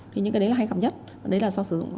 thì những cái đấy là hay gặp nhất đấy là do sử dụng